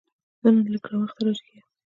زه نن لږ ناوخته راجیګیږم